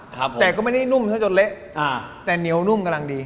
ครับแต่ก็ไม่ได้นุ่มซะจนเละอ่าแต่เหนียวนุ่มกำลังดี